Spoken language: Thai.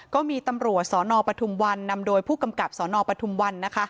ก็มีตำรวจสนปทุมวันนำโดยผู้กำกับสนปทุมวันนะคะ